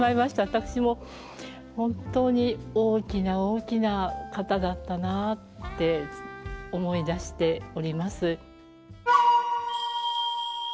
私も本当に大きな大きな方だったなって思い出しております。